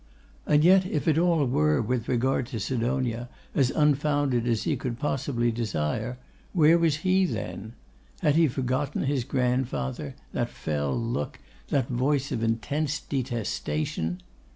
And yet if all were, with regard to Sidonia, as unfounded as he could possibly desire, where was he then? Had he forgotten his grandfather, that fell look, that voice of intense detestation?